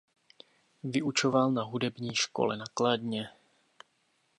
Vyučoval na hudební škole na Kladně.